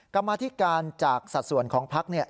กรรมาธิการจากสัดส่วนของพักเนี่ย